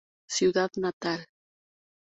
Ciudad Natal